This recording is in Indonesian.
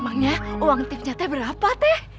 emangnya uang tipnya teh berapa teh